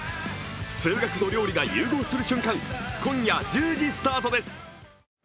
数学と料理が融合する瞬間、今夜１０時スタートです。